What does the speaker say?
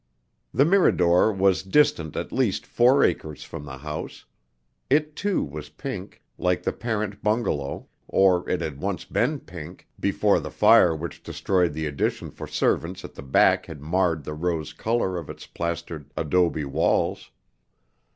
The Mirador was distant at least four acres from the house. It too was pink, like the parent bungalow, or it had once been pink, before the fire which destroyed the addition for servants at the back had marred the rose color of its plastered adobe walls.